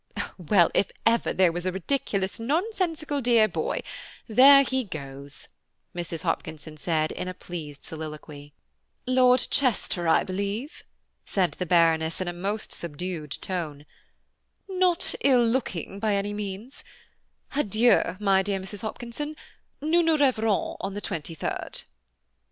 "Well, if ever there was a ridiculous, nonsensical dear boy, there he goes," said Mrs. Hopkinson in a pleased soliloquy. "Lord Chester, I believe?" said the Baroness, in a most subdued tone; "not ill looking by any means. Adieu, my dear Mrs. Hopkinson, nous nous reverrons on the 23rd."